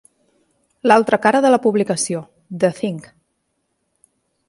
L'altra cara de la publicació, "The Thing".